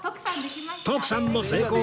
徳さんも成功！